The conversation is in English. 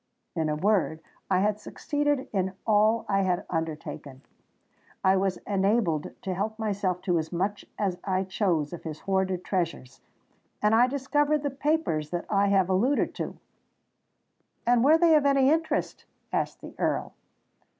In a word, I had succeeded in all I had undertaken: I was enabled to help myself to as much as I chose of his hoarded treasures—and I discovered the papers that I have alluded to." "And were they of any interest?" asked the Earl.